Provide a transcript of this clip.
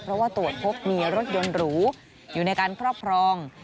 เพราะว่าตรวจพบมีรถยนต์หรูอยู่ในการครอบครอง